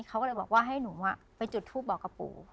เขาก็เลยบอกว่าให้หนูไปจุดทูปบอกกับปู่